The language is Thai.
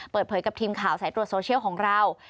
เปิดเผยกับทีมข่าวสายตรวจโซเชียลของเรา